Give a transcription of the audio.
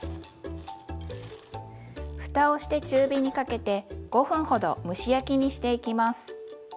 ふたをして中火にかけて５分ほど蒸し焼きにしていきます。